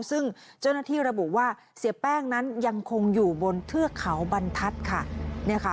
ซึ่งเจ้าหน้าที่ระบุว่าเสียแป้งนั้นยังคงอยู่บนเทือกเขาบรรทัศน์ค่ะ